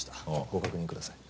ご確認ください。